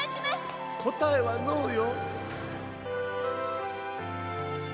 こたえはノーよ。